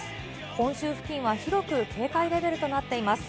本州付近は広く警戒レベルとなっています。